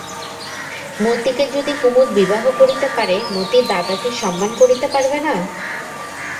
মতিকে যদি কুমুদ বিবাহ করিতে পারে, মতির দাদাকে সম্মান করিতে পারবে না?